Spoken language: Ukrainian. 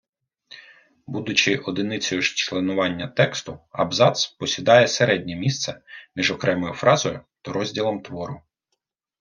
Будучи одиницею членування тексту, абзац посідає середнє місце між окремою фразою та розділом твору.